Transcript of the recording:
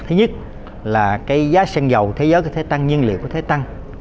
thứ nhất là cái giá sen dầu thế giới có thể tăng nhân liệu có thể tăng